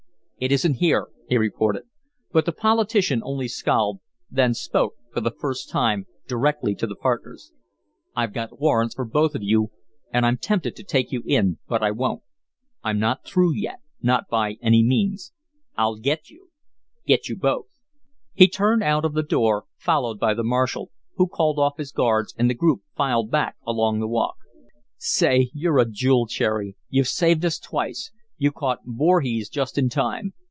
"It isn't here," he reported; but the politician only scowled, then spoke for the first time directly to the partners: "I've got warrants for both of you and I'm tempted to take you in, but I won't. I'm not through yet not by any means. I'll get you get you both." He turned out of the door, followed by the marshal, who called off his guards, and the group filed back along the walk. "Say, you're a jewel, Cherry. You've saved us twice. You caught Voorhees just in time.